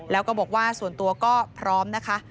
แล้วก็บอกว่าส่วนตัวก็พร้อมนะคะ